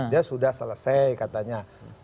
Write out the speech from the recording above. dia sudah selesai katanya